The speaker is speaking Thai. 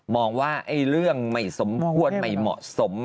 มองว่าเรื่องไม่สมควรไม่เหมาะสม